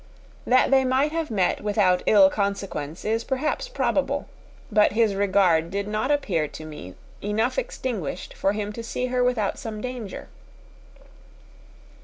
That they might have met without ill consequence is, perhaps, probable; but his regard did not appear to me enough extinguished for him to see her without some danger.